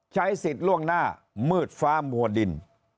ใช้สิทธิ์ล่วงหน้ามืดฟ้ามัวดิน